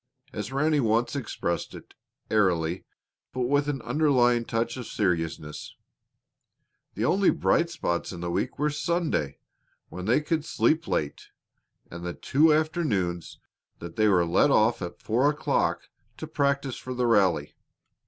As Ranny once expressed it, airily, but with an underlying touch of seriousness, the only bright spots in the week were Sunday, when they could sleep late, and the two afternoons they were let off at four o'clock to practise for the rally.